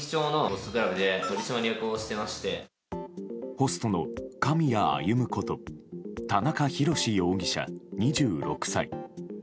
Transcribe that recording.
ホストの狼谷歩こと田中裕志容疑者、２６歳。